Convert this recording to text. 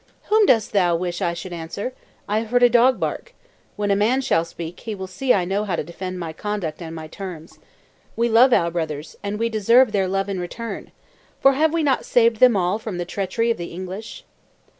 "Whom dost thou wish I should answer? I have heard a dog bark; when a man shall speak, he will see I know how to defend my conduct and my terms. We love our brothers and we deserve their love in return. For have we not saved them all from the treachery of the English?"